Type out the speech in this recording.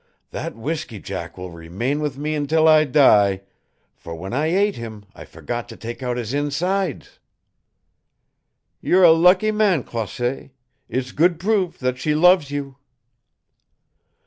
That whisky jack will remain with me until I die, for when I ate him I forgot to take out his insides!" "You're a lucky man, Croisset. It's good proof that she loves you."